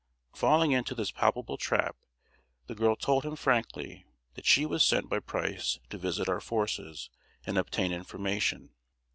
Falling into this palpable trap, the girl told him frankly that she was sent by Price to visit our forces, and obtain information.